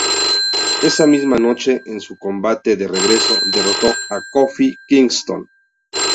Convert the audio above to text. Esa misma noche en su combate de regreso, derrotó a Kofi Kingston.